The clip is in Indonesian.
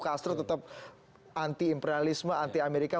castro tetap anti imperialisme anti amerika